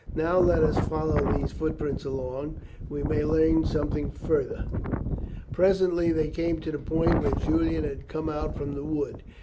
Now, let us follow these footprints along; we may learn something further." Presently they came to the point where Julian had come out from the wood.